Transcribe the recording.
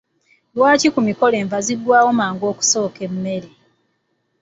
Lwaki ku mikolo enva ziggwaawo mangu okusooka emmere.